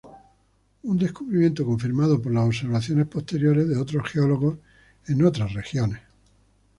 Un descubrimiento confirmado por las observaciones posteriores de otros geólogos en otras regiones.